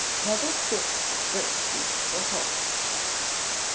[NEVER QUIT CERTAINTY FOR HOPE.